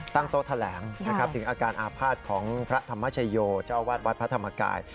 โต๊ะแถลงนะครับถึงอาการอาภาษณ์ของพระธรรมชโยเจ้าวาดวัดพระธรรมกาย